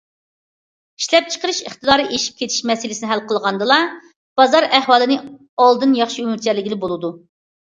ئىشلەپچىقىرىش ئىقتىدارى ئېشىپ كېتىش مەسىلىسىنى ھەل قىلغاندىلا، بازار ئەھۋالىنى ئالدىن ياخشى مۆلچەرلىگىلى بولىدۇ.